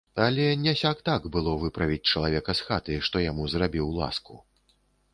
Але не сяк-так было выправіць чалавека з хаты, што яму зрабіў ласку.